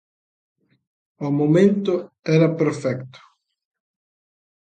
O momento era perfecto.